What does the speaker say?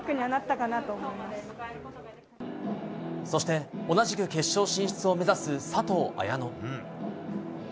そして、同じく決勝進出を目指す佐藤綾乃。